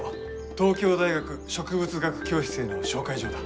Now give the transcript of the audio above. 東京大学植物学教室への紹介状だ。